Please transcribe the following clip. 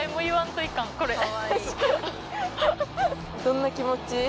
どんな気持ち？